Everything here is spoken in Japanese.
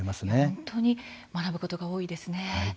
本当に学ぶことが多いですね